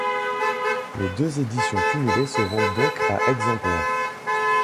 Les deux éditions cumulées se vendent donc à exemplaires.